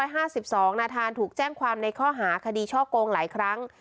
หลักฐานถูกแจ้งความในข้อหาคดีช่อโกงหลายครั้ง